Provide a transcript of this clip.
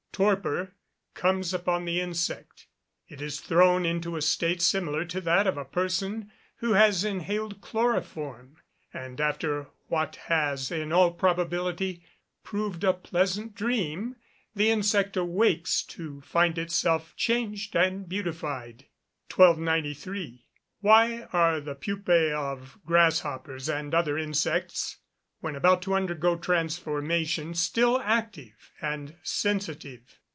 Torpor comes upon the insect, it is thrown into a state similar to that of a person who has inhaled chloroform; and after what has, in all probability, proved a pleasant dream, the insect awakes to find itself changed and beautified. 1293. _Why are the pupæ of grasshoppers and other insects, when about to undergo transformation, still active and sensitive?